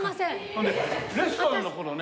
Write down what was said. それでレストランの頃ね。